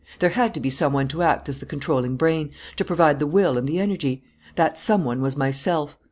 There had to be some one to act as the controlling brain, to provide the will and the energy. That some one was myself.